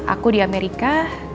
aku di amerika